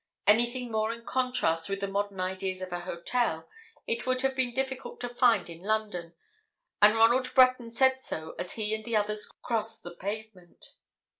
Anything more in contrast with the modern ideas of a hotel it would have been difficult to find in London, and Ronald Breton said so as he and the others crossed the pavement.